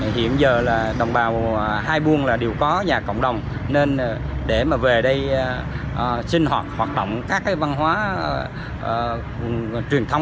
hiện giờ đồng bào hai buôn đều có nhà cộng đồng nên để mà về đây sinh hoạt hoạt động các văn hóa truyền thống